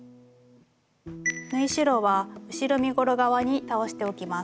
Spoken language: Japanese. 縫い代は後ろ身ごろ側に倒しておきます。